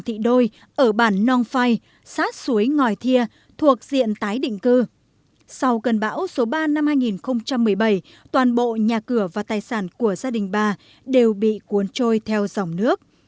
thị đôi ở bản nong phai sát suối ngòi thia thuộc diện tái định cư sau cơn bão số ba năm hai nghìn một mươi bảy toàn bộ nhà cửa và tài sản của gia đình bà đều bị cuốn trôi theo dòng nước